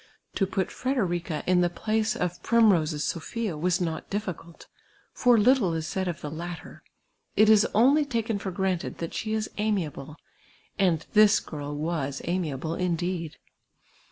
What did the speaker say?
To put rrederica in the place of l^rimrosc's Sophia was not difiicidt : for little is said of the latter, it is only taken for granted that she is amiable ; and this girl was amiable indeed.